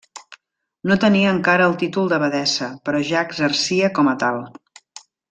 No tenia encara el títol d'abadessa, però ja exercia com a tal.